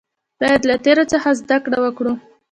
باید له تیرو څخه زده کړه وکړو